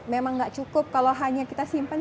memang gak cukup kalo hanya kita simpan